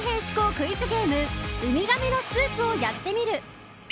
クイズゲームウミガメのスープをやってみる。